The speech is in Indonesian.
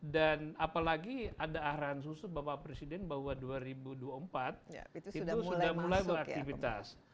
dan apalagi ada arahan susu bapak presiden bahwa dua ribu dua puluh empat itu sudah mulai beraktivitas